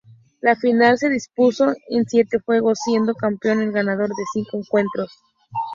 La final se disputó en siete juegos siendo campeón el ganador de cinco encuentros.